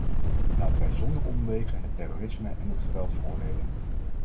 Laten wij zonder omwegen het terrorisme en het geweld veroordelen.